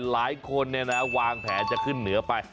หลายคนเนี่ยนะวางแผนจะขึ้นเหนือไป